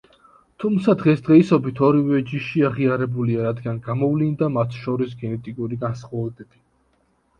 თუმცა დღესდღეობით ორივე ჯიში აღიარებულია, რადგან გამოვლინდა მათ შორის გენეტიკური განსხვავებები.